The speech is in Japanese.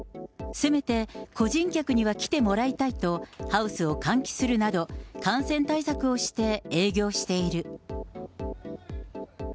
せめて個人客には来てもらいたいと、ハウスを換気するなど、感染対策をして営業している。